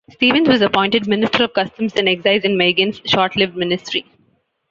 Stevens was appointed Minister of Customs and Excise in Meighen's short-lived ministry.